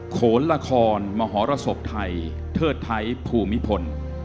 โขนละครมหรสบไทยเทิดไทยภูมิพล